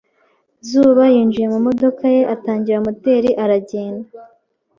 Zuba yinjiye mu modoka ye, atangira moteri, arigendera.